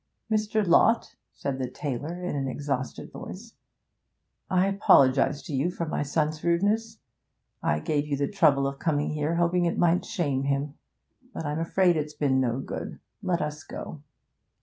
'Mr. Lott,' said the tailor in an exhausted voice, 'I apologise to you for my son's rudeness. I gave you the trouble of coming here hoping it might shame him, but I'm afraid it's been no good. Let us go.'